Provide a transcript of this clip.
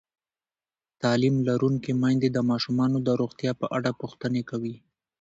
تعلیم لرونکې میندې د ماشومانو د روغتیا په اړه پوښتنې کوي.